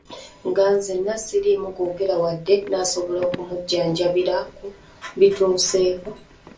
Nga nzenna siriimu googera wadde nasobola okumujabuliramu ku bintuuseeko.